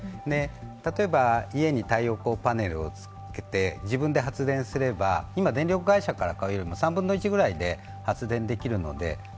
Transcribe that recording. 例えば家に太陽光パネルをつけて自分で発電すれば今、電力会社から買うよりも３分の１ぐらいで済むんです。